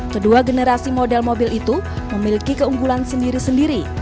kedua generasi model mobil itu memiliki keunggulan sendiri sendiri